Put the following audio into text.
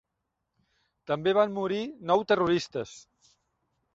També van morir nou terroristes.